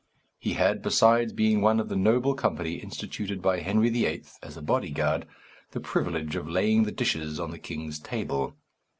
He had, besides being one of the noble company instituted by Henry VIII. as a bodyguard, the privilege of laying the dishes on the king's table.